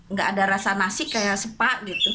nggak ada rasa nasi kayak spa gitu